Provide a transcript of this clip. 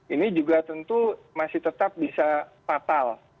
ini juga tentu masih tetap bisa fatal